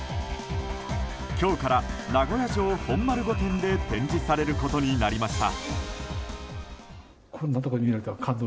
今日から名古屋城本丸御殿で展示されることになりました。